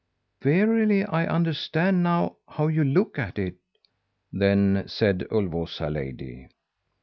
"'Verily, I understand now how you look at it,' then said Ulvåsa lady.